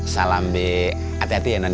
salam hati hati ya non